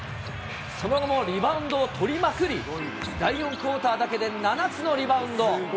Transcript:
その後も、リバウンドを取りまくり、第４クオーターだけで７つのリバウンド。